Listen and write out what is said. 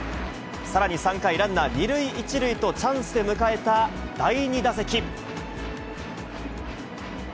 さらに３回、ランナー２塁１塁と、チャンスで迎えた第２打席。